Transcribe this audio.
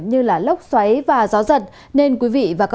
như lốc xoáy và gió giật